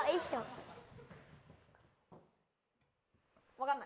・分かんない？